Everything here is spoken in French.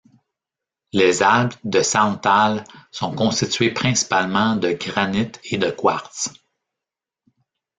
Les Alpes de Sarntal sont constituées principalement de granite et de quartz.